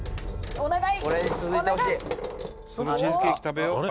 お願い！」